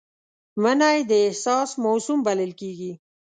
مني د احساس موسم بلل کېږي